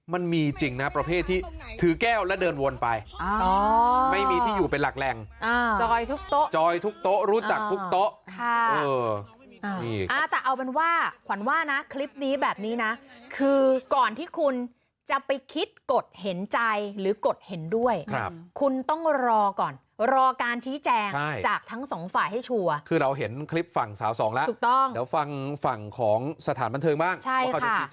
มันมีจริงนะประเภทที่ถือแก้วแล้วเดินวนไป